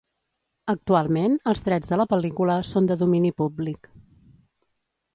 Actualment, els drets de la pel·lícula són de domini públic.